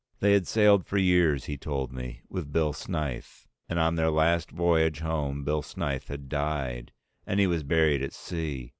They had sailed for years, he told me, with Bill Snyth; and on their last voyage home Bill Snyth had died. And he was buried at sea.